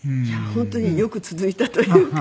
本当によく続いたというか。